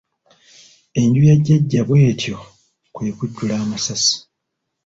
Enju ya Jjajja bw'etyo kwe kujjula amasasi.